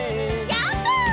ジャンプ！